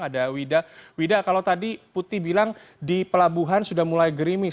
ada wida wida kalau tadi putih bilang di pelabuhan sudah mulai gerimis